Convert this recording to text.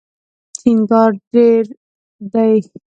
ټینګار ډېر دی.